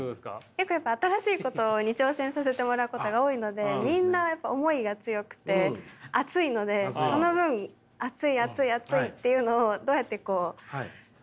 よくやっぱ新しいことに挑戦させてもらうことが多いのでみんなやっぱ思いが強くて熱いのでその分熱い熱い熱いっていうのをどうやってこう丸く。